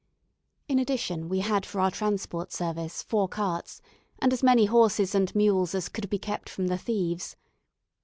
In addition, we had for our transport service four carts, and as many horses and mules as could be kept from the thieves.